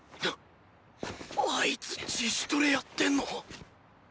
あいつ自主トレやってんの！？